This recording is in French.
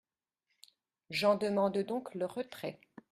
J’en demande donc le retrait.